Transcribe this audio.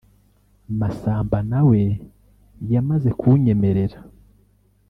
Masamba na we yamaze kunyemerera